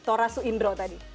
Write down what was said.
tora su indro tadi